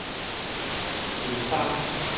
平枋